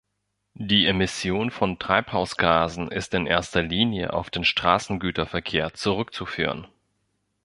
Die Emission von Treibhausgasen ist in erster Linie auf den Straßengüterverkehr zurückzuführen.